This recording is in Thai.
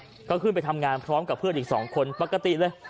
แล้วก็ขึ้นไปทำงานพร้อมกับเพื่อนอีกสองคนปกติเลย